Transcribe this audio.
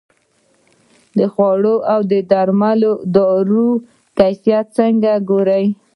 د خوړو او درملو اداره کیفیت څنګه ګوري؟